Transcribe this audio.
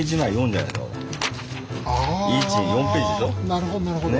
なるほどなるほど。